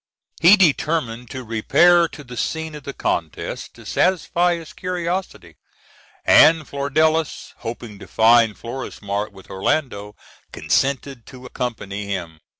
He determined to repair to the scene of the contest to satisfy his curiosity, and Flordelis, hoping to find Florismart with Orlando, consented to accompany him.